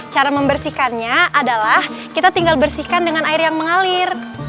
cara membersihkannya adalah kita tinggal bersihkan dengan air yang mengalir